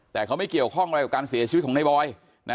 แต่เขาไม่เกี่ยวข้องอะไรกับการเสียชีวิตของในบอย